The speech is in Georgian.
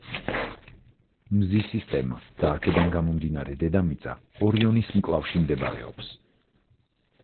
მზის სისტემა და, აქედან გამომდინარე, დედამიწა ორიონის მკლავში მდებარეობს.